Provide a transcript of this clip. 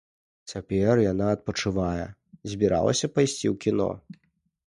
Цяпер яна адпачывае, збіралася пайсці ў кіно.